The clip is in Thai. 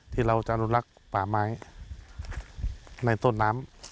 ที่เราจะอนุรักษ์ป่าไม้ในต้นน้ำ